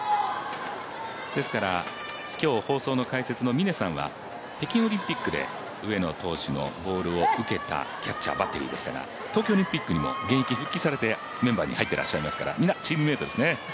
今日、放送の解説の峰さんは北京オリンピックで上野投手のボールを受けたキャッチャーですが東京オリンピックにも現役復帰されて入ってますから皆、チームメートですね。